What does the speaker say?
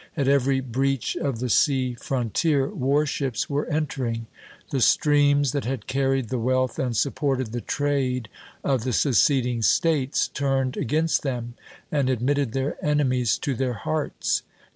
At every breach of the sea frontier, war ships were entering. The streams that had carried the wealth and supported the trade of the seceding States turned against them, and admitted their enemies to their hearts.